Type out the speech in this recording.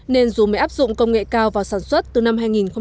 nên dù mới áp dụng công nghệ cao vào sản xuất từ năm hai nghìn một mươi